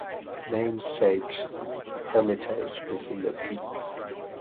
The namesake’s hermitage is in the peak.